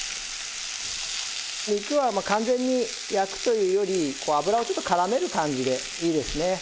肉はまあ完全に焼くというよりこう油をちょっと絡める感じでいいですね。